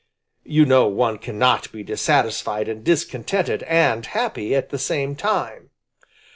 You know one cannot be dissatisfied and discontented and happy at the same time.